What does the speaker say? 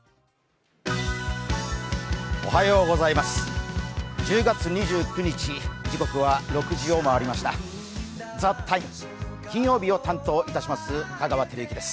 おはようございます。